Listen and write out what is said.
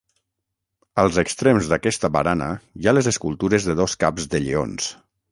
Als extrems d'aquesta barana hi ha les escultures de dos caps de lleons.